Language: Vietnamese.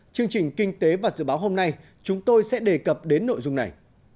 chương trình kinh tế và dự báo hôm nay chúng tôi sẽ đề cập đến nội dung này